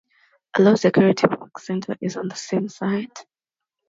A low-security work center is on the same site.